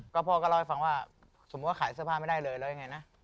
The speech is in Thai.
ก็พ่อก็เล่าให้ฟังว่าสมมุติว่าขายเสื้อผ้าไม่ได้เลยแล้วยังไงนะ